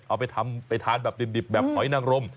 เอาไปทำไปทานแบบดิบแบบหอยนังรม